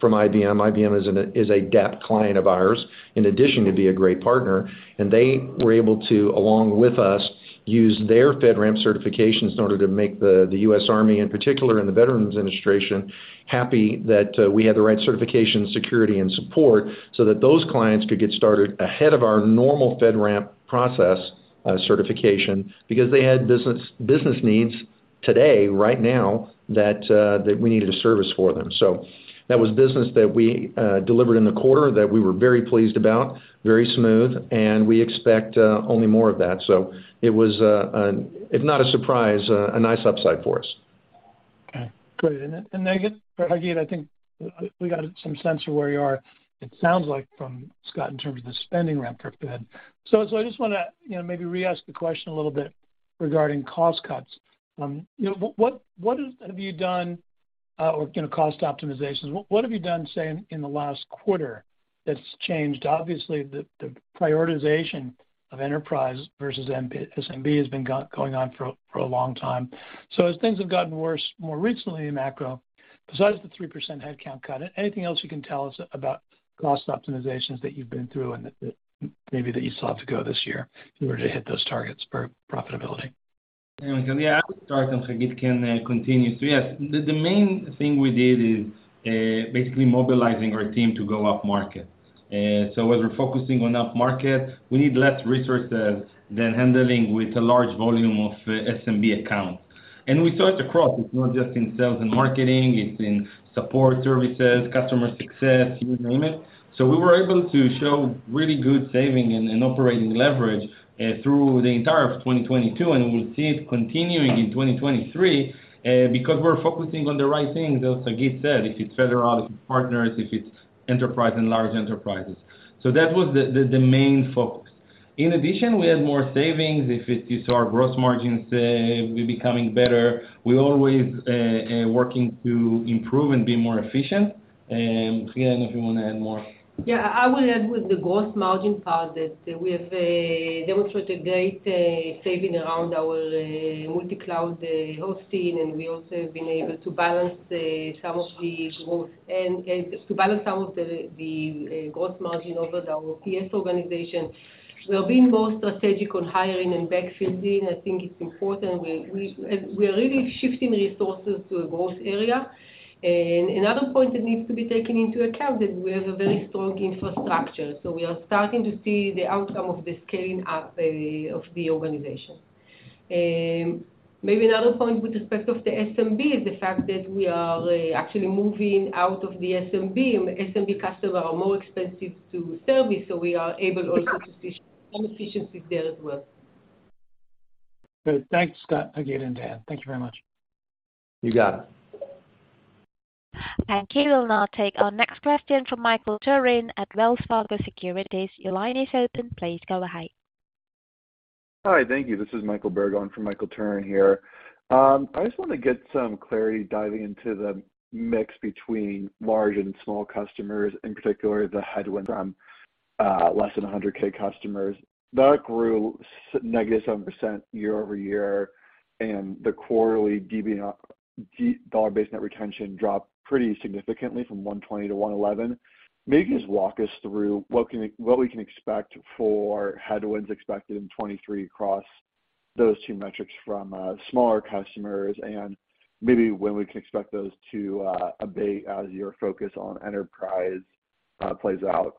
from IBM. IBM is a DAP client of ours, in addition to being a great partner. They were able to, along with us, use their FedRAMP certifications in order to make the U.S. Army in particular and the Veterans Administration happy that we had the right certification, security, and support so that those clients could get started ahead of our normal FedRAMP process certification because they had business needs today, right now, that we needed a service for them. That was business that we delivered in the quarter that we were very pleased about, very smooth, and we expect only more of that. It was, if not a surprise, a nice upside for us. Okay, great. Then Hagit, I think we got some sense of where you are, it sounds like from Scott, in terms of the spending ramp, go ahead. I just wanna, you know, maybe re-ask the question a little bit regarding cost cuts. You know, what have you done, or, you know, cost optimizations. What have you done, say, in the last quarter that's changed? Obviously, the prioritization of enterprise versus SMB has been going on for a long time. As things have gotten worse more recently in macro, besides the 3% headcount cut, anything else you can tell us about cost optimizations that you've been through and that maybe that you still have to go this year in order to hit those targets for profitability? I can start, and Hagit can continue. Yes, the main thing we did is basically mobilizing our team to go up market. As we're focusing on up market, we need less resources than handling with a large volume of SMB accounts. We saw it across, it's not just in sales and marketing, it's in support services, customer success, you name it. We were able to show really good saving and operating leverage through the entire of 2022, and we'll see it continuing in 2023, because we're focusing on the right things, as Hagit said, if it's federal, if it's partners, if it's enterprise and large enterprises. That was the main focus. In addition, we had more savings. If it is our gross margins, we're becoming better. We always working to improve and be more efficient. Hagit, if you wanna add more. Yeah. I will add with the gross margin part that we have demonstrated great saving around our multi-cloud hosting, and we also have been able to balance some of the growth and to balance some of the gross margin over our PS organization. We're being more strategic on hiring and backfilling. I think it's important. We're really shifting resources to a growth area. Another point that needs to be taken into account that we have a very strong infrastructure, so we are starting to see the outcome of the scaling up of the organization. Maybe another point with respect of the SMB is the fact that we are actually moving out of the SMB customer are more expensive to service, so we are able also to see some efficiencies there as well. Good. Thanks, Scott, Hagit, and Dan. Thank you very much. You got it. We will now take our next question from Michael Turrin at Wells Fargo Securities. Your line is open. Please go ahead. Hi. Thank you. This is Michael Berg for Michael Turrin here. I just wanna get some clarity diving into the mix between large and small customers, in particular the headwinds on less than 100K customers. That grew -7% year-over-year, the quarterly DBNR, dollar-based net retention dropped pretty significantly from 120% to 111%. Maybe just walk us through what we can expect for headwinds expected in 2023 across those two metrics from smaller customers and maybe when we can expect those to abate as your focus on enterprise plays out.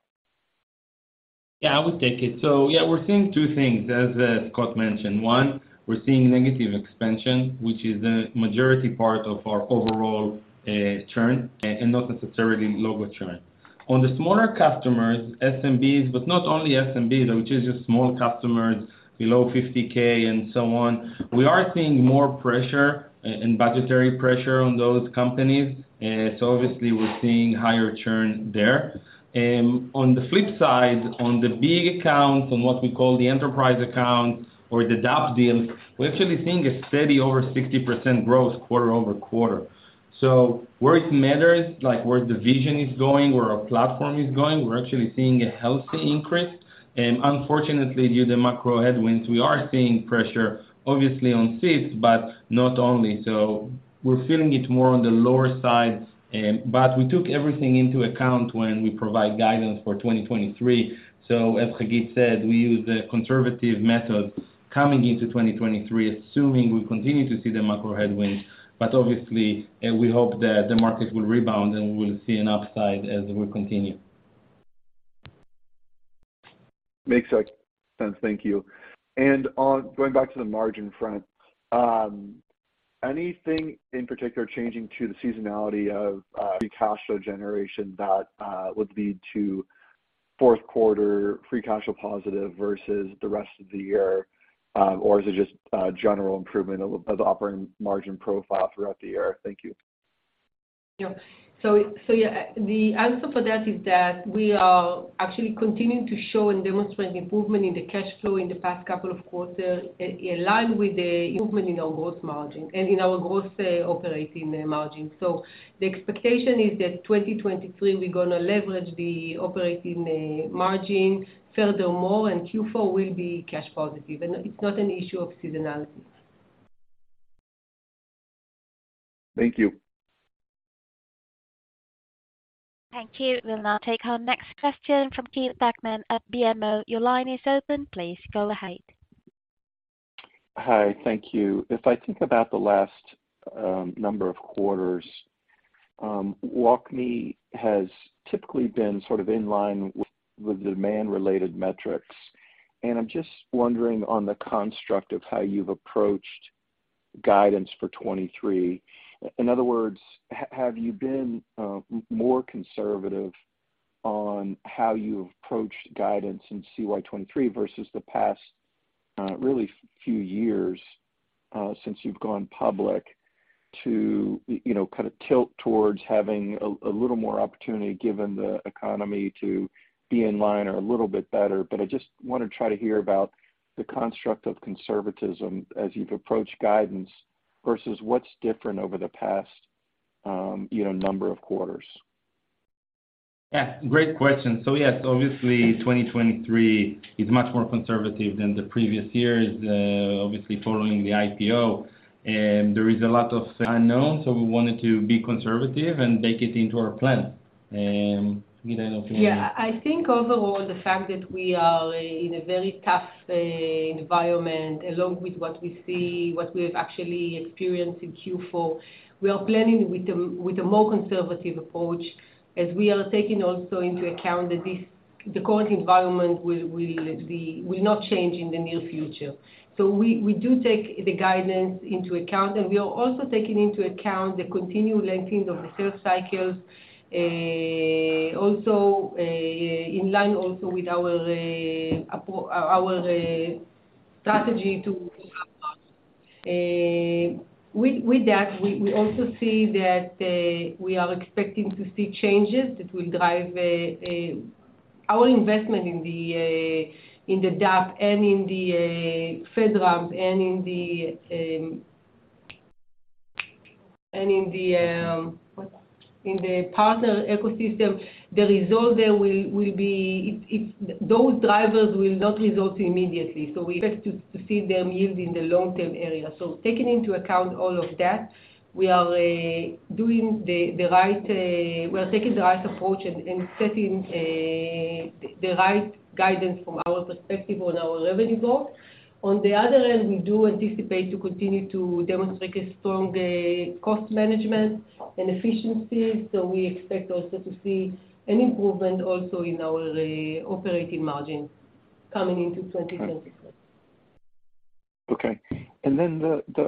I will take it. We're seeing two things as Scott mentioned. One, we're seeing negative expansion, which is the majority part of our overall churn and not necessarily logo churn. On the smaller customers, SMBs, but not only SMB, which is just small customers below $50K and so on, we are seeing more pressure and budgetary pressure on those companies. Obviously we're seeing higher churn there. On the flip side, on the big accounts, on what we call the enterprise accounts or the DAP deals, we're actually seeing a steady over 60% growth quarter-over-quarter. Where it matters, like where the vision is going, where our platform is going, we're actually seeing a healthy increase. Unfortunately, due to macro headwinds, we are seeing pressure obviously on SiC, but not only. We're feeling it more on the lower side, but we took everything into account when we provide guidance for 2023. As Hagit said, we use the conservative method coming into 2023, assuming we continue to see the macro headwinds. Obviously, we hope that the market will rebound, and we'll see an upside as we continue. Makes sense. Thank you. On going back to the margin front, anything in particular changing to the seasonality of free cash flow generation that would lead to Q4 free cash flow positive versus the rest of the year? Or is it just a general improvement of the operating margin profile throughout the year? Thank you. Yeah, the answer for that is that we are actually continuing to show and demonstrate improvement in the cash flow in the past couple of quarters, in line with the improvement in our growth margin and in our growth operating margin. The expectation is that 2023, we're gonna leverage the operating margin further more, and Q4 will be cash positive. It's not an issue of seasonality. Thank you. Thank you. We'll now take our next question from Keith Bachman at BMO. Your line is open. Please go ahead. Hi. Thank you. If I think about the last number of quarters, WalkMe has typically been sort of in line with demand-related metrics, and I'm just wondering on the construct of how you've approached guidance for 2023. In other words, have you been more conservative on how you approached guidance in CY 2023 versus the past really few years since you've gone public to, you know, kind of tilt towards having a little more opportunity given the economy to be in line or a little bit better? But I just want to try to hear about the construct of conservatism as you've approached guidance versus what's different over the past, you know, number of quarters. Yeah, great question. Yes, obviously 2023 is much more conservative than the previous years, obviously following the IPO. There is a lot of unknown. We wanted to be conservative and bake it into our plan. Yeah. I think overall, the fact that we are in a very tough environment along with what we see, what we've actually experienced in Q4, we are planning with a more conservative approach as we are taking also into account that the current environment will not change in the near future. We do take the guidance into account, and we are also taking into account the continued lengthening of the sales cycles, also in line with our strategy to. With that, we also see that we are expecting to see changes that will drive our investment in the DAP and in the FedRAMP and in the partner ecosystem. The result there will be those drivers will not result immediately, so we expect to see them yield in the long-term area. Taking into account all of that, we are doing the right, we are taking the right approach and setting the right guidance from our perspective on our revenue goal. On the other end, we do anticipate to continue to demonstrate a strong cost management and efficiency, so we expect also to see an improvement also in our operating margin coming into 2023. Okay.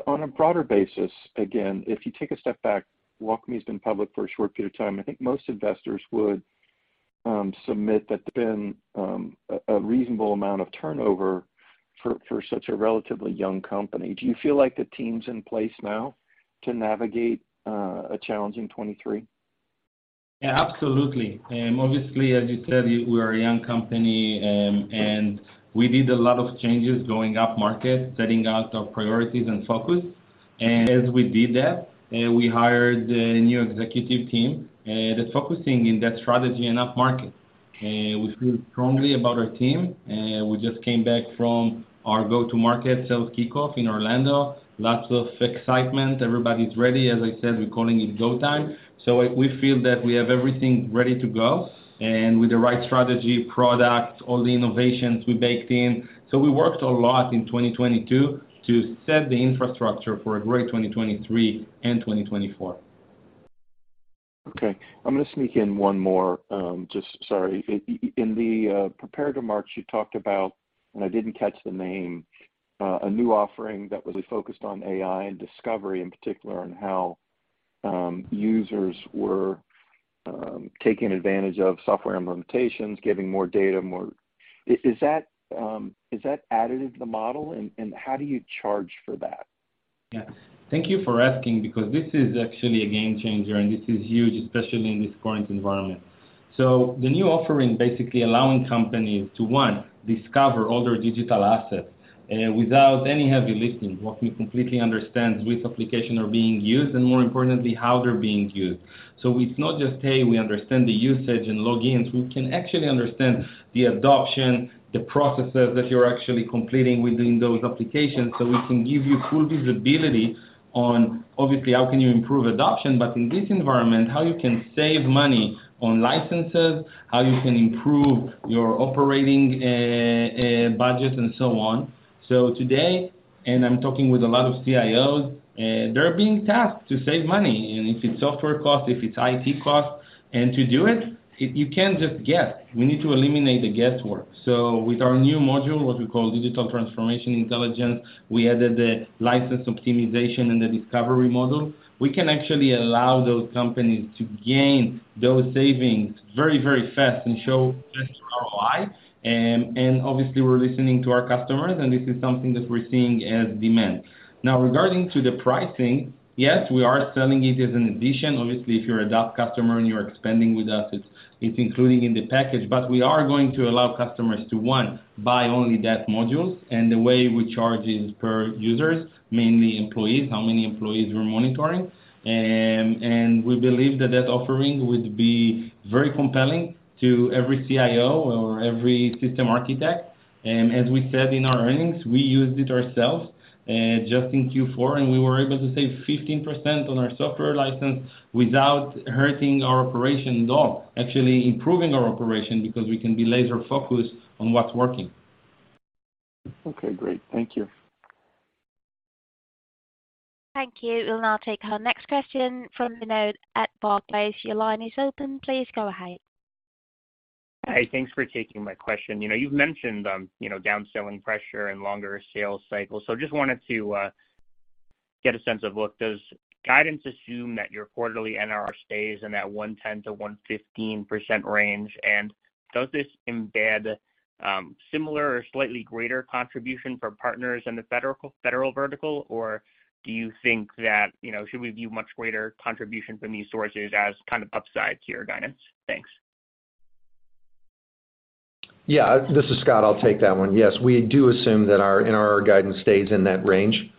On a broader basis, again, if you take a step back, WalkMe's been public for a short period of time. I think most investors would submit that there's been a reasonable amount of turnover for such a relatively young company. Do you feel like the team's in place now to navigate a challenging 2023? Yeah, absolutely. Obviously, as you said, we are a young company, and we did a lot of changes going up market, setting out our priorities and focus. As we did that, we hired a new executive team, that's focusing in that strategy and up market. We feel strongly about our team. We just came back from our go-to-market sales kickoff in Orlando. Lots of excitement. Everybody's ready. As I said, we're calling it go time. We feel that we have everything ready to go, and with the right strategy, product, all the innovations we baked in. We worked a lot in 2022 to set the infrastructure for a great 2023 and 2024. Okay. I'm gonna sneak in one more. Just, sorry. In the prepared remarks, you talked about, and I didn't catch the name, a new offering that was focused on AI and discovery in particular, and how users were taking advantage of software implementations, giving more data. Is that added to the model? How do you charge for that? Yeah. Thank you for asking because this is actually a game changer, and this is huge, especially in this current environment. The new offering basically allowing companies to, one, discover all their digital assets without any heavy lifting. WalkMe completely understands which application are being used and more importantly, how they're being used. It's not just, hey, we understand the usage and logins. We can actually understand the adoption, the processes that you're actually completing within those applications. We can give you full visibility on obviously how can you improve adoption, but in this environment, how you can save money on licenses, how you can improve your operating budget and so on. Today, and I'm talking with a lot of CIOs, they're being tasked to save money, and if it's software costs, if it's IT costs. To do it, you can't just guess. We need to eliminate the guesswork. With our new module, what we call Digital Transformation Intelligence, we added the license optimization and the discovery model. We can actually allow those companies to gain those savings very, very fast and show faster ROI. Obviously we're listening to our customers, and this is something that we're seeing as demand. Now, regarding to the pricing, yes, we are selling it as an addition. Obviously, if you're a DAP customer and you're expanding with us, it's including in the package. We are going to allow customers to, one, buy only that module. The way we charge is per users, mainly employees, how many employees we're monitoring. We believe that that offering would be very compelling to every CIO or every system architect. As we said in our earnings, we used it ourselves, just in Q4, and we were able to save 15% on our software license without hurting our operations at all. Actually improving our operation because we can be laser-focused on what's working. Okay, great. Thank you. Thank you. We'll now take our next question from Vinod at Barclays. Your line is open. Please go ahead. Hi. Thanks for taking my question. You know, you've mentioned, you know, down selling pressure and longer sales cycles. Just wanted to get a sense of look, does guidance assume that your quarterly NRR stays in that 110%-115% range? Does this embed similar or slightly greater contribution for partners in the federal vertical? Do you think that, you know, should we view much greater contribution from these sources as kind of upside to your guidance? Thanks. This is Scott. I'll take that one. We do assume that our NRR guidance stays in that range,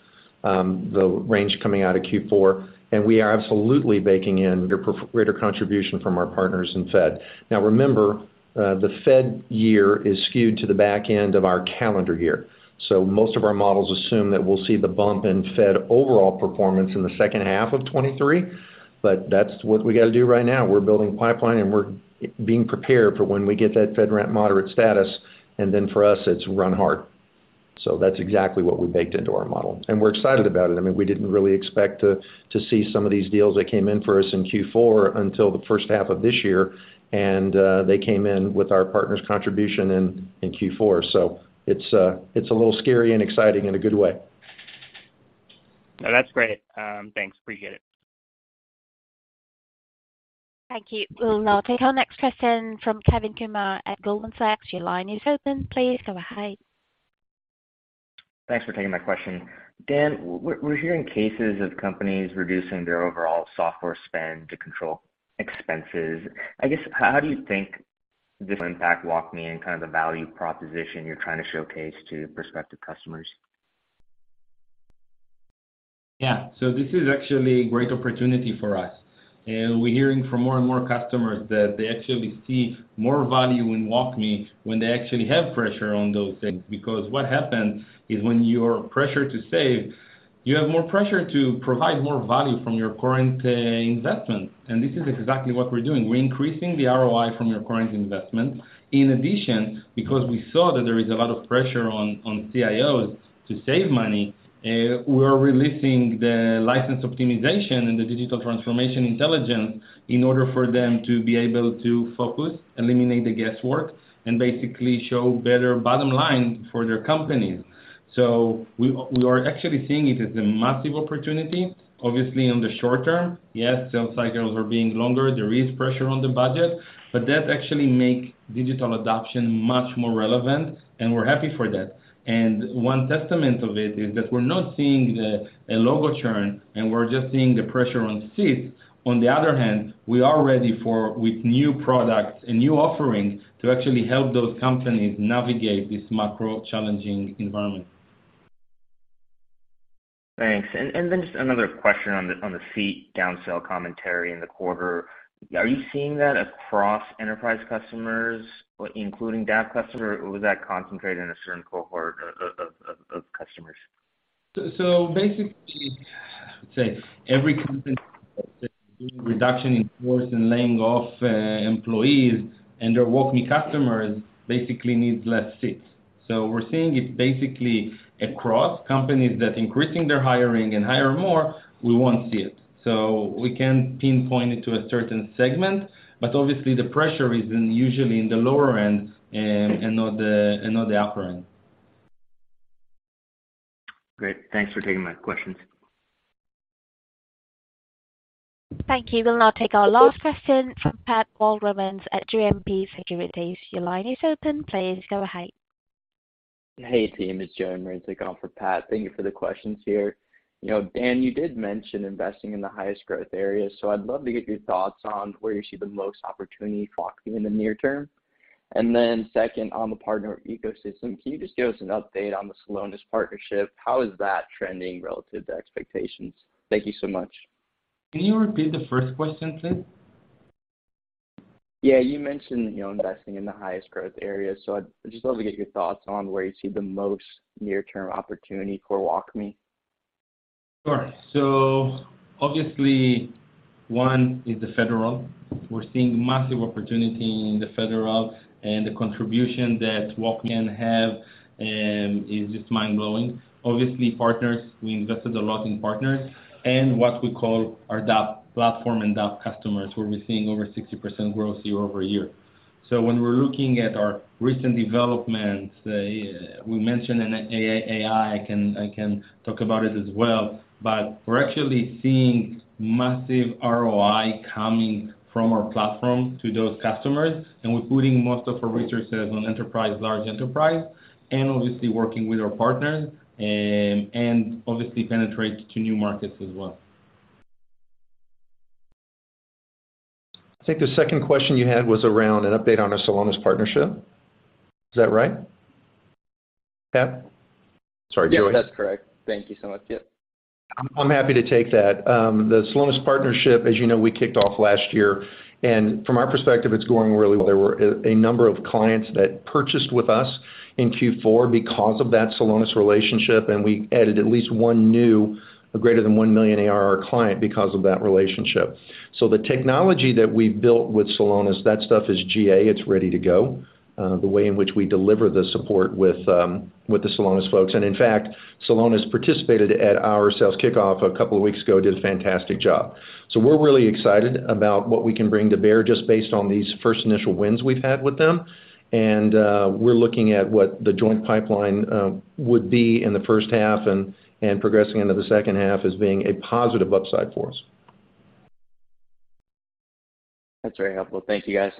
the range coming out of Q4. We are absolutely baking in the pro-greater contribution from our partners in Fed. Remember, the Fed year is skewed to the back end of our calendar year. Most of our models assume that we'll see the bump in Fed overall performance in the H2 of 2023. That's what we gotta do right now. We're building pipeline. We're being prepared for when we get that FedRAMP moderate status. Then for us, it's run hard. That's exactly what we baked into our model. We're excited about it. I mean, we didn't really expect to see some of these deals that came in for us in Q4 until the H1 of this year. They came in with our partners' contribution in Q4. It's a little scary and exciting in a good way. No, that's great. Thanks. Appreciate it. Thank you. We'll now take our next question from Kevin Kumar at Goldman Sachs. Your line is open. Please go ahead. Thanks for taking my question. Dan, we're hearing cases of companies reducing their overall software spend to control expenses. I guess, how do you think this will impact WalkMe and kind of the value proposition you're trying to showcase to prospective customers? This is actually a great opportunity for us. We're hearing from more and more customers that they actually see more value in WalkMe when they actually have pressure on those things. Because what happens is when you're pressured to save, you have more pressure to provide more value from your current investment. This is exactly what we're doing. We're increasing the ROI from your current investment. In addition, because we saw that there is a lot of pressure on CIOs to save money, we are releasing the license optimization and the Digital Transformation Intelligence in order for them to be able to focus, eliminate the guesswork, and basically show better bottom line for their companies. We are actually seeing it as a massive opportunity, obviously in the short term. Yes, sales cycles are being longer. There is pressure on the budget, but that actually make digital adoption much more relevant, and we're happy for that. One testament of it is that we're not seeing the a logo churn, and we're just seeing the pressure on seats. On the other hand, we are ready with new products and new offerings to actually help those companies navigate this macro challenging environment. Thanks. Just another question on the seat down sale commentary in the quarter? Are you seeing that across enterprise customers, including DAP customer, or was that concentrated in a certain cohort of customers? Basically, say every company doing reduction in force and laying off employees and their WalkMe customers basically needs less seats. We're seeing it basically across companies that increasing their hiring and hire more, we won't see it. We can't pinpoint it to a certain segment, but obviously the pressure is in usually in the lower end and not the upper end. Great. Thanks for taking my questions. Thank you. We'll now take our last question from Pat Walravens at JMP Securities. Your line is open. Please go ahead. Hey, team, it's Joey Marincek in for Pat. Thank you for the questions here. You know, Dan, you did mention investing in the highest growth areas. I'd love to get your thoughts on where you see the most opportunity for WalkMe in the near term. Second, on the partner ecosystem, can you just give us an update on the Celonis partnership? How is that trending relative to expectations? Thank you so much. Can you repeat the first question, please? Yeah. You mentioned, you know, investing in the highest growth areas, so I'd just love to get your thoughts on where you see the most near-term opportunity for WalkMe? Sure. Obviously, one is the Federal. We're seeing massive opportunity in the Federal and the contribution that WalkMe have is just mind-blowing. Obviously partners, we invested a lot in partners and what we call our DAP platform and DAP customers, where we're seeing over 60% growth year-over-year. When we're looking at our recent developments, we mentioned an AI. I can talk about it as well. We're actually seeing massive ROI coming from our platform to those customers, and we're putting most of our resources on enterprise, large enterprise, and obviously working with our partners, and obviously penetrate to new markets as well. I think the second question you had was around an update on our Celonis partnership. Is that right? Pat? Sorry, Joey. Yeah, that's correct. Thank you so much. Yeah. I'm happy to take that. The Celonis partnership, as you know, we kicked off last year. From our perspective, it's going really well. There were a number of clients that purchased with us in Q4 because of that Celonis relationship. We added at least one new greater than $1 million ARR client because of that relationship. The technology that we've built with Celonis, that stuff is GA. It's ready to go, the way in which we deliver the support with the Celonis folks. In fact, Celonis participated at our sales kickoff a couple of weeks ago, did a fantastic job. We're really excited about what we can bring to bear just based on these first initial wins we've had with them. We're looking at what the joint pipeline would be in the H1 and progressing into the H2 as being a positive upside for us. That's very helpful. Thank you, guys.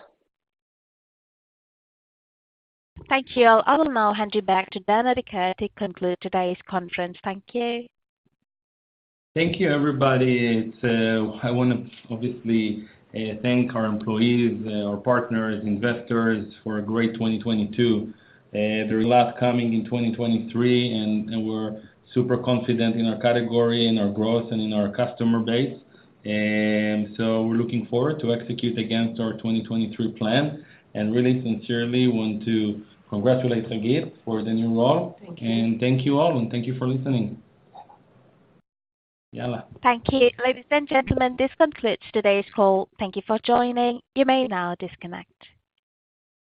Thank you all. I will now hand you back to Dan Adika to conclude today's conference. Thank you. Thank you, everybody. It's, I wanna obviously, thank our employees, our partners, investors for a great 2022. There's a lot coming in 2023, and we're super confident in our category, in our growth, and in our customer base. We're looking forward to execute against our 2023 plan, and really sincerely want to congratulate Hagit for the new role. Thank you. Thank you all, and thank you for listening. Thank you. Ladies and gentlemen, this concludes today's call. Thank you for joining. You may now disconnect.